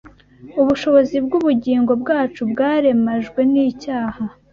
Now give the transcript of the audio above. ubushobozi bw’ubugingo bwacu bwaremajwe n’icyaha